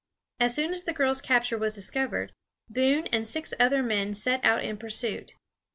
As soon as the girls' capture was discovered, Boone and six other men set out in pursuit.